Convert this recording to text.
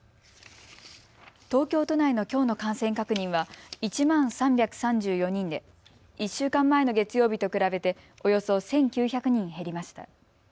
東京都内のきょうの感染確認は１万３３４人で１週間前の月曜日と比べておよそ１９００人減りました。